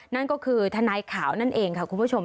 นั่นก็คือทนายขาวนั่นเองค่ะคุณผู้ชม